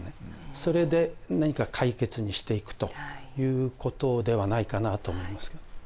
それで何か解決にしていくということではないかなと思いますね。